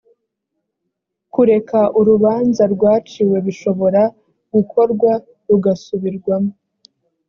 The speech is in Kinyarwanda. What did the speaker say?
kureka urubanza rwaciwe bishobora gukorwa rugasubirwamo